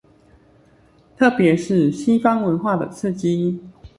特別是西方文化的刺激